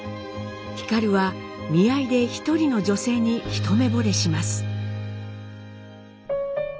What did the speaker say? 皓は見合いで一人の女性に一目ぼれします。